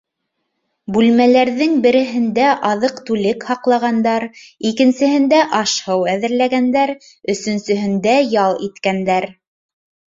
Бүлмәләрҙең береһендә аҙыҡ-түлек һаҡлағандар, икенсеһендә аш-һыу әҙерләгәндәр, өсөнсөһөндә ял иткәндәр.